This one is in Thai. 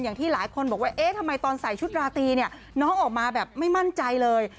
อย่างที่หลายคนบอกว่าเอ๊ะทำไมตอนใส่ชุดราตรีเนี่ยน้องออกมาแบบไม่มั่นใจเลย